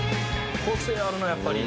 個性あるなやっぱり。